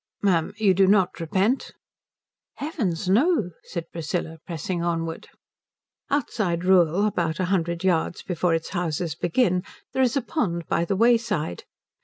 "Ma'am, you do not repent?" "Heavens, no," said Priscilla, pressing onward. Outside Rühl, about a hundred yards before its houses begin, there is a pond by the wayside.